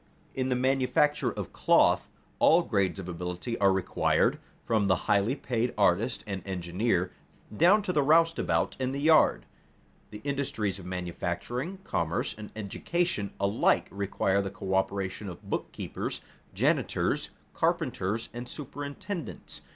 In the manufacture of cloth all grades of ability are required, from the highly paid artist and engineer, down to the roustabout in the yard. The industries of manufacturing, commerce, and education alike require the coöperation of bookkeepers, janitors, carpenters, and superintendents.